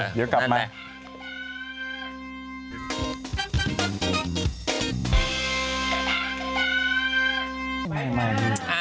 เดี๋ยวกลับมา